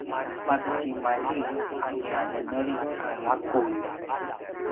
maretimalji a nia veneli a laqulj